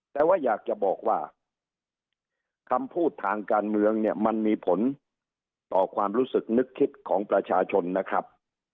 แต่ว่าอยากจะบอกว่าคำพูดทางการเมืองเนี่ยมันมีผลต่อความรู้สึกนึกคิดของประชาชนนะครับ